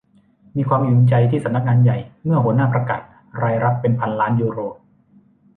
มีความอิ่มเอมใจที่สำนักงานใหญ่เมื่อหัวหน้าประกาศรายรับเป็นพันล้านยูโร